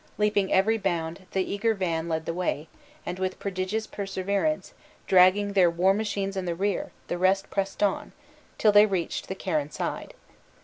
Leaping every bound, the eager van led the way; and, with prodigious perseverance, dragging their war machines in the rear, the rest pressed on, till they reached the Carron side.